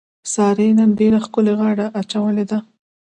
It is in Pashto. سارې نن ډېره ښکلې غاړه اچولې ده.